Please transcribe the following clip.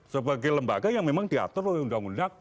sebagai lembaga yang memang diatur oleh undang undang